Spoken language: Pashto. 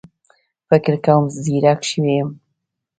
فکر کوم ځيرک شوی يم